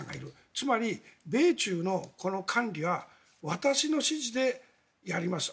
つまり、米中の管理は私の指示でやりますと。